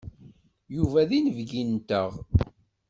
Yuba d inebgi-nteɣ.